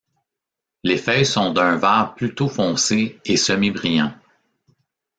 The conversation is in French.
Les feuilles sont d'un vert plutôt foncé et semi brillant.